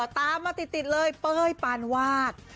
ตามมาติดเลยเป้ยปานวาด